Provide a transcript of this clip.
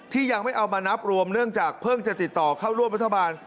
ยังไม่เอามานับรวมเนื่องจากเพิ่งจะติดต่อเข้าร่วมรัฐบาล